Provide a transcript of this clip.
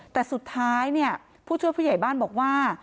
แต่สุดท้ายเนี่ยผู้ช่วยผู้ใหญ่บ้านบอกว่า